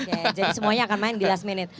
oke jadi semuanya akan main di last minute